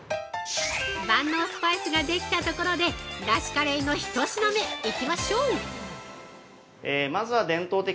◆万能スパイスができたところで出汁カレーの１品目行きましょう。